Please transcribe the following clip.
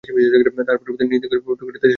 তাহার পরিবর্তে নিজদিগকে পবিত্র করিতে চেষ্টা করিব।